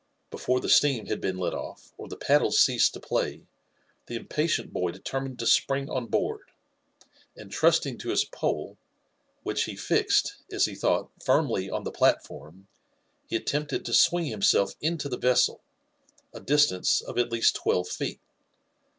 Before the steam had been let off, or the paddles ceased to play, the impatient boy determined to spring on board, and trusting to his pole, which he fixed, as he thought, firmly on the platform, he attempted to swing himself into the vessel— a distance of at least twelve feet.